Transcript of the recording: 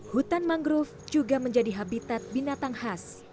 hutan mangrove juga menjadi habitat binatang khas